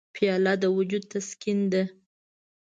پیاله د وجود تسکین ده.